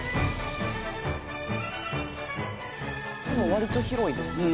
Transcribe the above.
割と広いですよね。